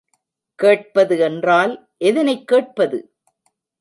கேட்பது என்றால் எதனைக் கேட்பது?